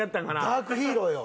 ダークヒーローよ。